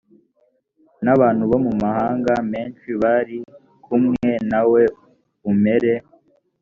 n abantu bo mu mahanga menshi bari kumwe nawe umere